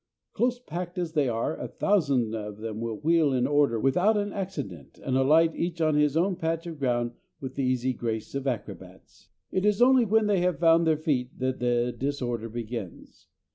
Close packed as they are, a thousand of them will wheel in order without an accident and alight each on his own patch of ground with the easy grace of acrobats. It is only when they have found their feet that the disorder begins.